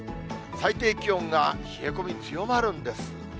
最低気温が冷え込み強まるんです。